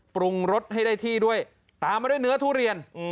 ปรุงรสให้ได้ที่ด้วยตามมาด้วยเนื้อทุเรียน